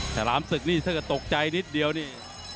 ฉลามศึกนี่ถ้าเกิดตกใจนิดเดียวนี่